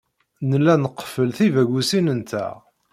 Nella nqeffel tibagusin-nteɣ.